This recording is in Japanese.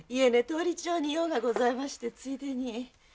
通町に用がございましてついでに。